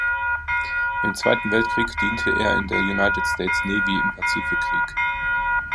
Im Zweiten Weltkrieg diente er in der United States Navy im Pazifikkrieg.